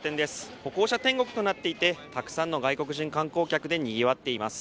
歩行者天国となっていてたくさんの外国人観光客でにぎわっています。